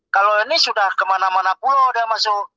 kalau ini sudah kemana mana pulau dia masuk